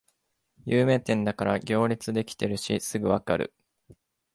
有名店だから行列できてるしすぐわかる